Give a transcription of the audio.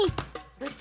部長！